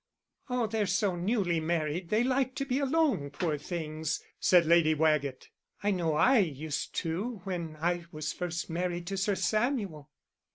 "Oh, they're so newly married they like to be alone, poor things," said Lady Waggett. "I know I used to when I was first married to Sir Samuel."